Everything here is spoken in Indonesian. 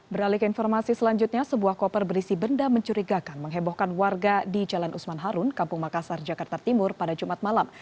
beralih ke informasi selanjutnya sebuah koper berisi benda mencurigakan menghebohkan warga di jalan usman harun kampung makassar jakarta timur pada jumat malam